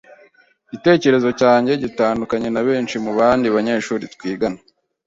Igitekerezo cyanjye gitandukanye nabenshi mubandi banyeshuri twiganaga.